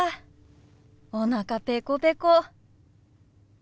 おなかペコペコ。